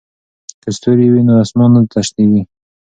که ستوري وي نو اسمان نه تشیږي.